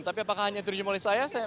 tapi apakah hanya terjun oleh saya